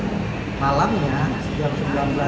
pada malamnya setiap hari